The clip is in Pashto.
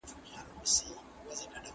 لاس مي تش وي شونډي وچي او نسکوره پیمانه وي.